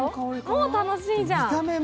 もう楽しいじゃん。